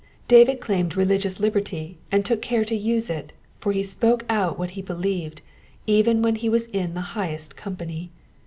David claimed religious liberty, and took care to use it, for he spoke out what he believed, even when he was in the highest company.